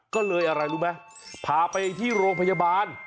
ก็เลยอะไรรู้ไหมพาไปที่โรงพยาบาล